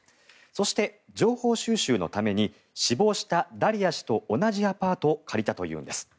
そして、情報収集のために死亡したダリヤ氏と同じアパートを借りたというんです。